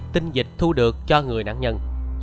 tinh dịch thu được cho người nạn nhân